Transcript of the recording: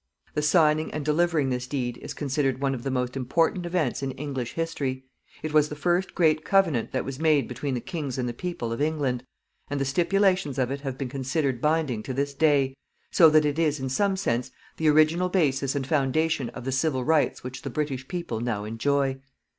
The signing and delivering this deed is considered one of the most important events in English history. It was the first great covenant that was made between the kings and the people of England, and the stipulations of it have been considered binding to this day, so that it is, in some sense, the original basis and foundation of the civil rights which the British people now enjoy.